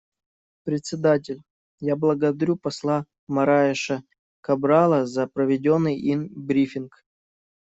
Председатель: Я благодарю посла Мораеша Кабрала за проведенный им брифинг.